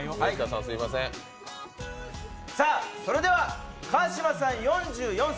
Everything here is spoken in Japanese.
それでは、川島さん、４４歳。